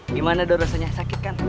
gimana dok rasanya sakit kan